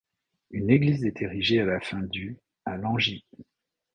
Une église est érigée à la fin du à Langy.